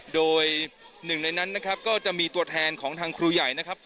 โดยหนึ่งในนั้นนะครับก็จะมีตัวแทนของทางครูใหญ่นะครับ